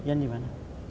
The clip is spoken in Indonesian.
yang di mana